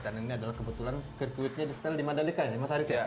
dan ini adalah kebetulan sirkuitnya disetel di mandalika ya mas harith ya